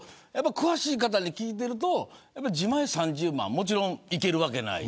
詳しい方に聞くと自前で３０万もちろん行けるわけがない。